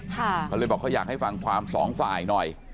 เขาเลยบอกเขาอยากให้ฟังความสองฝ่ายหน่อย